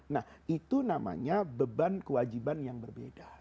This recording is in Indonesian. nah itu namanya beban kewajiban yang berbeda